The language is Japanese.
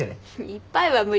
いっぱいは無理。